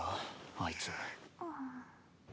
あいつ。